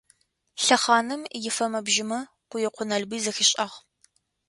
Лъэхъаным ифэмэ-бжьымэ Къуекъо Налбый зэхишӏагъ.